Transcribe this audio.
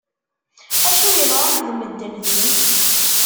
Acu yeḍran d medden din?